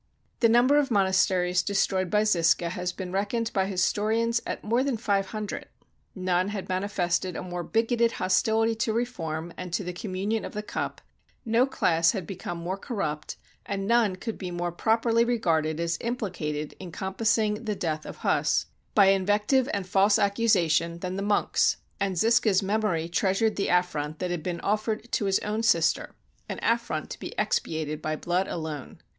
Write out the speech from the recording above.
The number of monasteries destroyed by Zisca has been reckoned by historians at more than five hundred. None had manifested a more bigoted hostility to reform and to the communion of the cup, no class had become more corrupt, and none could be more properly regarded as implicated in compassing the death of Huss, by in 272 THE DELIVERANCE OF PRAGUE vective and false accusation, than the monks; andZisca's memory treasured the affront that had been offered to his own sister — an affront to be expiated by blood alone.